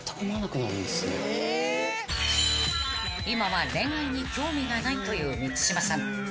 ［今は恋愛に興味がないという満島さん］